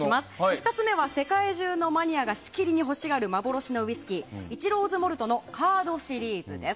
２つ目は世界中のマニアがしきりに欲しがる幻のウイスキーイチローズモルトのカードシリーズです。